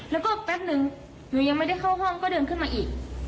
แล้วก็แป๊บนึงหนูยังไม่ได้เข้าห้องก็เดินขึ้นมาอีก